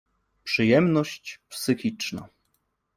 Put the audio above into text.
Przyjemność psychiczna.